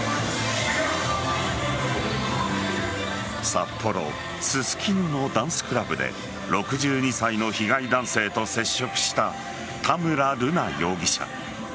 札幌・ススキノのダンスクラブで６２歳の被害男性と接触した田村瑠奈容疑者。